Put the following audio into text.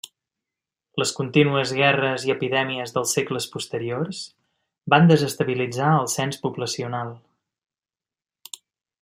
Les contínues guerres i epidèmies dels segles posteriors van desestabilitzar el cens poblacional.